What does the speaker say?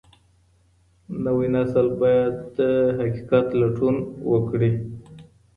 نوی نسل باید د حقیقت لټون وکړي.